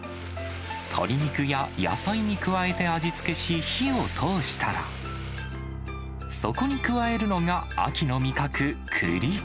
鶏肉や野菜に加えて味付けし、火を通したら、そこに加えるのが秋の味覚、クリ。